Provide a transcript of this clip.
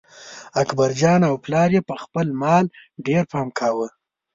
اکبرجان او پلار یې په خپل مال ډېر پام کاوه.